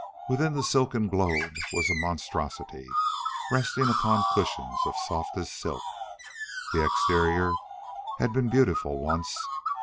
Within the silken globe was a monstrosity, resting upon cushions of softest silk. The exterior had been beautiful once.